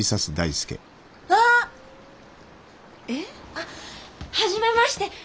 あっ初めまして。